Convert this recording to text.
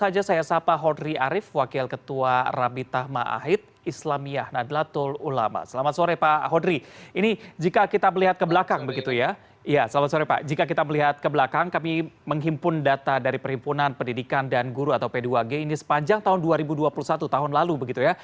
selamat sore pak jika kita melihat ke belakang kami menghimpun data dari perhimpunan pendidikan dan guru atau p dua g ini sepanjang tahun dua ribu dua puluh satu tahun lalu begitu ya